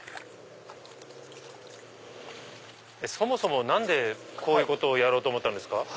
そもそも何でこういうことをやろうと思ったんですか？